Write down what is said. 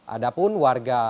ada pun warga